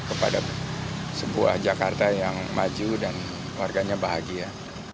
kepada sebuah jakarta yang maju dan warganya bahagia